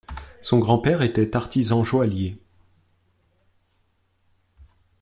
Son grand-père était artisan joaillier.